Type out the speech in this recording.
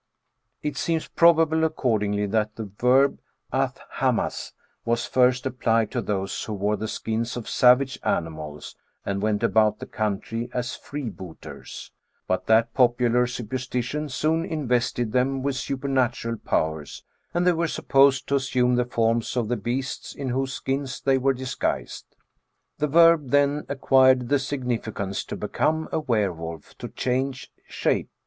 * It seems probable accordingly that the verb a^ hamaz was first applied to those who wore the skins of savage animals, and went about the country as freebooters ; but that popular superstition soon invested them with supernatural powers, and they were supposed to assume the forms of the beasts in whose skins they were dis guised. The verb then acquired the significance "to become a were wolf, to change shape."